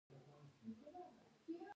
افغانستان د هیلو هیواد دی